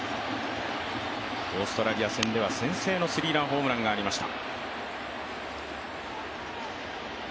オーストラリア戦では先制のスリーランホームランがありました。